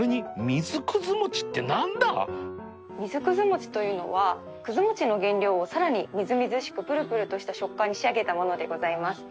みずくずもちというのはくず餅の原料をさらにみずみずしくぷるぷるとした食感に仕上げたものでございます。